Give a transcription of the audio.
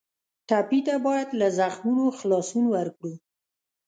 ټپي ته باید له زخمونو خلاصون ورکړو.